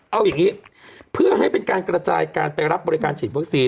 เอาอย่างนี้เพื่อให้เป็นการกระจายการไปรับบริการฉีดวัคซีน